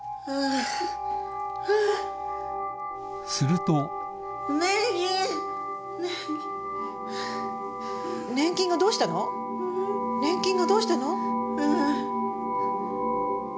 すると年金がどうしたの？